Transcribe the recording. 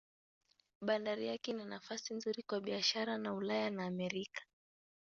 Bandari yake ina nafasi nzuri kwa biashara na Ulaya na Amerika.